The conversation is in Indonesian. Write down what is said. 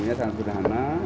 ini sangat mudah